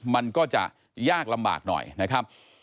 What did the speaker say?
มันก็จะยากลำบากหน่อยนะครับ